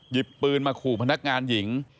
ปืนมาขู่พนักงานหญิง